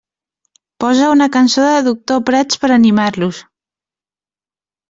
Posa una cançó de Doctor Prats per animar-los.